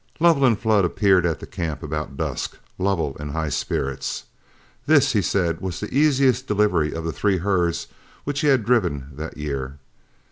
Lovell and Flood appeared at the camp about dusk Lovell in high spirits. This, he said, was the easiest delivery of the three herds which he had driven that year.